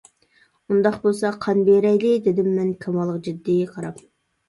-ئۇنداق بولسا، قان بېرەيلى-دېدىم مەن كامالغا جىددىي قاراپ.